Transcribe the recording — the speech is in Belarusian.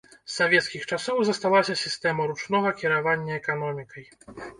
З савецкіх часоў засталася сістэма ручнога кіравання эканомікай.